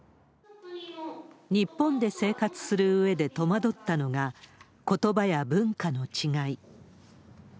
日本で生活するうえで戸惑ったのが、ことばや文化の違い。